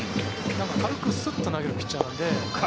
軽くスッと投げるピッチャーなので。